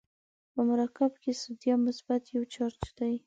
په مرکب کې سودیم مثبت یو چارج دی.